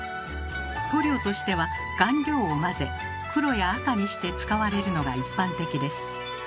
塗料としては顔料を混ぜ黒や赤にして使われるのが一般的です。